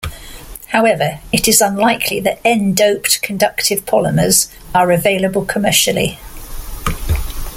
However, it is unlikely that n-doped conductive polymers are available commercially.